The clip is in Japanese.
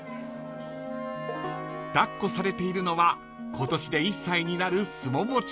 ［抱っこされているのは今年で１歳になるスモモちゃん］